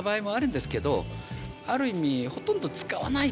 ある意味。